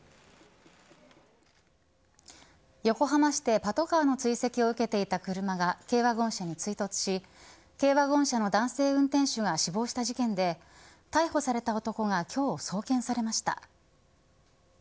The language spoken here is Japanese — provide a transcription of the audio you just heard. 横浜市でパトカーの追跡を受けていた車が軽ワゴン車に追突し軽ワゴン車の男性運転手が死亡した事件で、逮捕された男が今日、送検されました。